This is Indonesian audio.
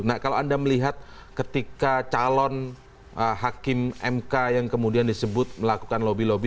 nah kalau anda melihat ketika calon hakim mk yang kemudian disebut melakukan lobby lobby